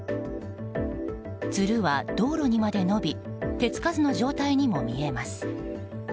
つるは道路にまで伸び手つかずの状態にも見えます。